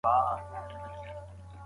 د پلار پوښتنې بې ځایه نه وې.